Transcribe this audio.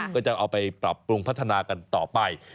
ก็จะเอาไปปรับปรุงพัฒนากันต่อไป